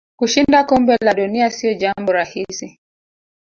Kushinda kombe la dunia sio jambo rahisi